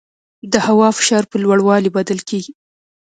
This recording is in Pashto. د هوا فشار په لوړوالي بدل کېږي.